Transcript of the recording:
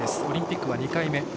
オリンピックは２回目。